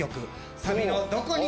サビのどこに